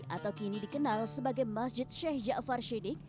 atau kini dikenal sebagai masjid sheikh ja far shiddiq